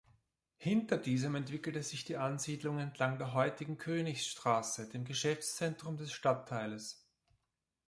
Hinter diesem entwickelte sich die Ansiedlung entlang der heutigen Königstraße, dem Geschäftszentrum des Stadtteiles.